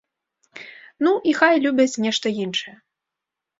Ну, і хай любяць нешта іншае.